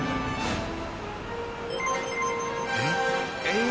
えっ。